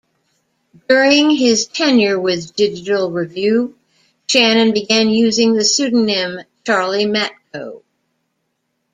During his tenure with "Digital Review", Shannon began using the pseudonym "Charlie Matco".